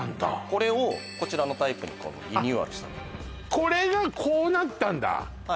これをこちらのタイプにリニューアルしたこれがこうなったんだは